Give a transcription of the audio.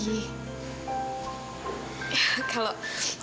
jangan sedih lagi